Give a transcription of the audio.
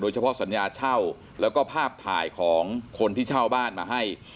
เฉพาะสัญญาเช่าแล้วก็ภาพถ่ายของคนที่เช่าบ้านมาให้